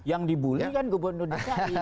yang di bully kan gubernur d